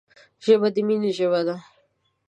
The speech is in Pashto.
ژبه د مینې ژبه ده